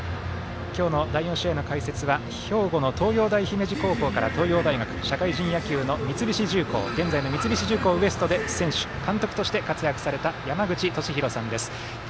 今日の第４試合の解説は兵庫の東洋大姫路高校から東洋大学、社会人野球の三菱重工現在の三菱重工Ｗｅｓｔで選手、監督として活躍された山口敏弘さんです。